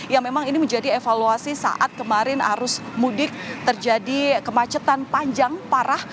yang memang ini menjadi evaluasi saat kemarin arus mudik terjadi kemacetan panjang parah